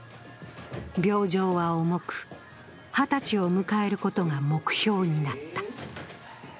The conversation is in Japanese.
病状は重く、２０歳を迎えることが目標になった。